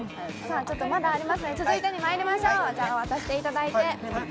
まだありますが、続いてにまいりましょう。